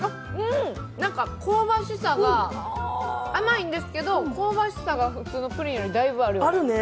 甘いんですけど香ばしさが普通のプリンよりだいぶあるよね。